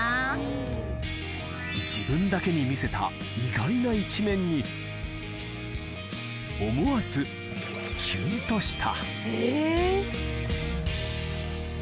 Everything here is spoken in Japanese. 自分だけに見せた意外な一面に、思わずキュンとした。